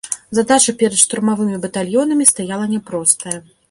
Задача перад штурмавымі батальёнамі стаяла няпростая.